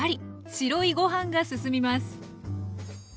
白いご飯がすすみます